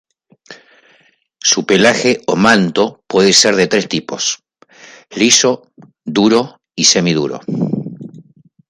Su pelaje o manto puede ser de tres tipos: liso, duro y semi-duro.